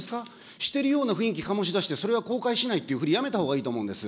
してるような雰囲気醸し出して、それは公開しないっていうふり、やめたほうがいいと思うんです。